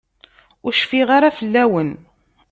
Ur cfiɣ ara fell-awen.